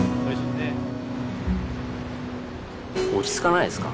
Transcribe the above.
落ち着かないですか？